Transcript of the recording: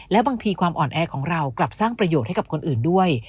และบางทีความอ่อนแอของเรากลับสร้างประโยชน์ให้กับคนอื่นด้วย